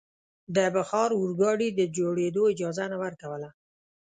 د بخار اورګاډي د جوړېدو اجازه نه ورکوله.